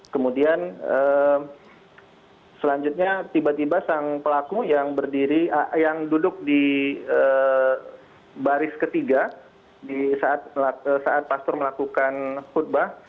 kemudian selanjutnya tiba tiba sang pelaku yang duduk di baris ketiga saat pastor melakukan khutbah